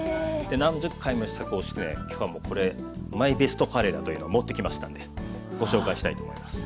何十回も試作をしてしかもこれマイベストカレーだというのを持ってきましたんでご紹介したいと思います。